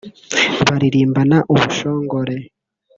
baririmbana ubushongore